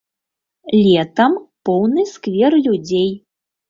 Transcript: Летам поўны сквер людзей.